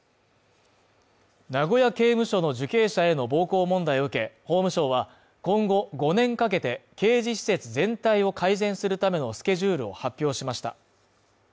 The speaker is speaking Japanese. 名古屋刑務所の受刑者への暴行問題を受け、法務省は、今後５年かけて、刑事施設全体を改善するためのスケジュールを発表しました。